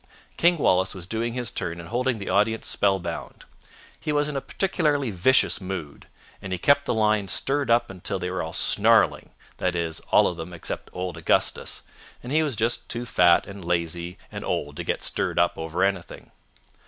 King Wallace was doing his turn and holding the audience spellbound. He was in a particularly vicious mood, and he kept the lions stirred up till they were all snarling, that is, all of them except old Augustus, and he was just too fat and lazy and old to get stirred up over anything.